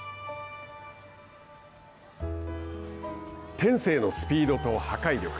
天性のスピードと破壊力。